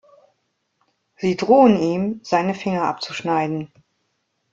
Sie drohen ihm, seine Finger abzuschneiden.